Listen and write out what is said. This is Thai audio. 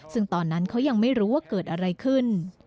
ซึ่งตอนนั้นเขายังไม่รู้ว่าเกิดอะไรขึ้น